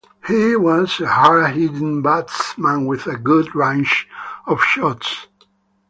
He was a hard-hitting batsman with a good range of shots.